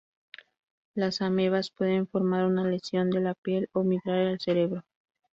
Las amebas pueden formar una lesión de la piel o migrar al cerebro.